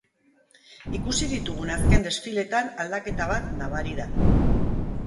Ikusi ditugun azken desfiletan aldaketa bat nabari da.